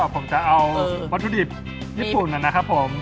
ผมจะเอาวัตถุดิบญี่ปุ่นนะครับผม